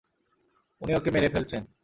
উনি ওকে মেরে ফেলছেন!